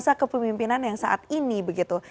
masa kepemimpinan yang saat ini begitu